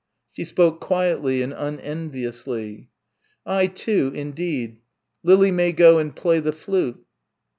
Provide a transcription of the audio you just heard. She spoke quietly and unenviously. "I too, indeed. Lily may go and play the flute."